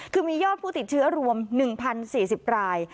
คือมียอดผู้ติดเชื้อรวม๑๐๔๐ราย